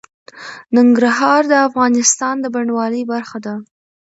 ننګرهار د افغانستان د بڼوالۍ برخه ده.